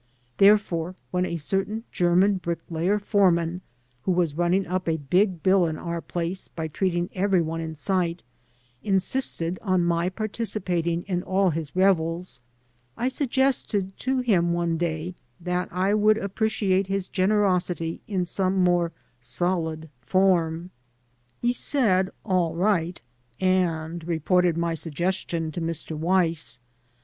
Therefore, when a certain German brick layer foreman, who was running up a big bill in our place by treating every one in sight, insisted on my participat ing in all his revels, I suggested to him one day that I would appreciate his generosity in some more solid form. He said, "All right," and reported my suggestion to Mr. Weiss.